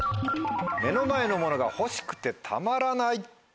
「目の前のものが欲しくてたまらない」。